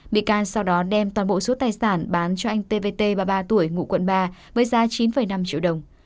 bị can sau đó đem toàn bộ số tài sản bán cho anh t v t ba mươi ba tuổi ngụ quận ba với giá chín năm triệu đồng